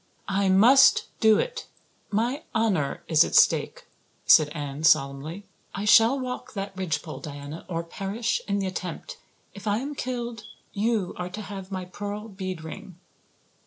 "I must do it. My honor is at stake," said Anne solemnly. "I shall walk that ridgepole, Diana, or perish in the attempt. If I am killed you are to have my pearl bead ring."